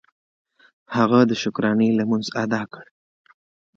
هغه د شکرانې لمونځ ادا کړ.